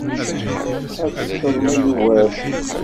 Ad teččeḍ ma yugar-d!